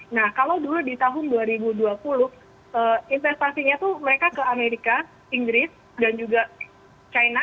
nah kalau dulu di tahun dua ribu dua puluh investasinya itu mereka ke amerika inggris dan juga china